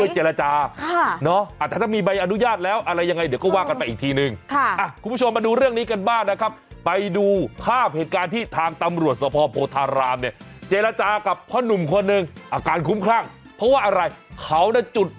จริงรึถ่าหากว่าคิดว่าเจรจาแล้วไม่รอด